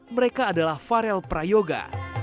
mereka adalah farel prayoga